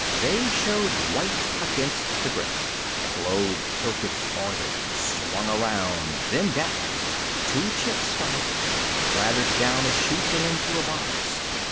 They showed white against the grip. The globe tilted farther, swung around, then down; two chips fell out, clattered down a chute and into a box.